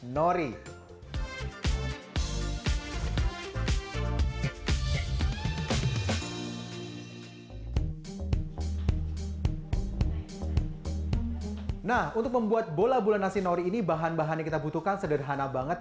nori nah untuk membuat bola bola nasi nori ini bahan bahan yang kita butuhkan sederhana banget